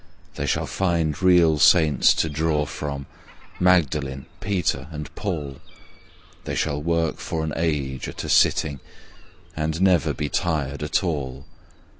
They shall find real saints to draw from Magdalene, Peter, and Paul; They shall work for an age at a sitting and never be tired at all!